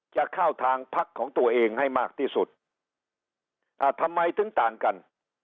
จะเข้าทางพักของตัวเองให้มากที่สุดอ่าทำไมถึงต่างกัน